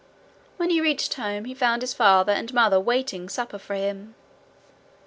When he reached home, he found his father and mother waiting supper for him.